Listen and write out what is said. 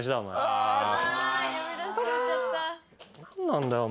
何なんだよ？